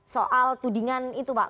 soal tudingan itu pak